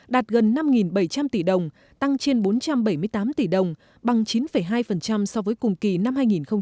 đạt gần năm bảy trăm linh tỷ đồng tăng trên bốn trăm bảy mươi tám tỷ đồng bằng chín hai so với cùng kỳ năm hai nghìn một mươi tám